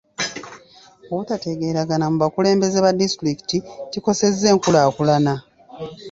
Obutategeeragana mu bakulembeze ba disitulikiti kikosezza enkulaakulana.